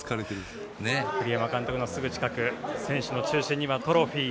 栗山監督のすぐ近く選手の中心にはトロフィー。